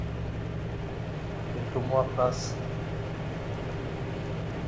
Quelques mois passent.